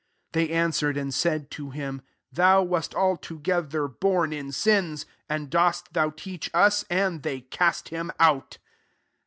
'' 35 They answered, and said to him, " Thou wast altogether bom in sins, and dost thou teach us ?" And they cast him out.